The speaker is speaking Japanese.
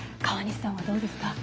川西さんはどうですか？